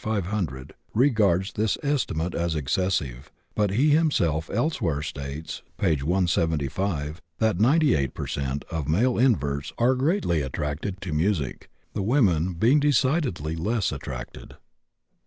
500) regards this estimate as excessive, but he himself elsewhere states (p. 175) that 98 per cent, of male inverts are greatly attracted to music, the women being decidedly less attracted.